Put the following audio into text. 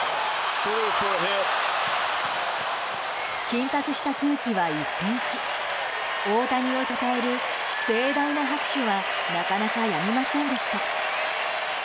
緊迫した空気は一変し大谷をたたえる盛大な拍手はなかなか、やみませんでした。